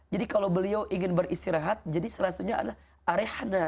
jadi kalau beliau ingin beristirahat jadi salah satunya adalah arehana